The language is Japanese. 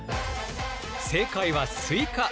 正解はスイカ！